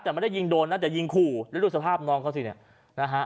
แต่ไม่ได้ยิงโดนนะแต่ยิงขู่แล้วดูสภาพน้องเขาสิเนี่ยนะฮะ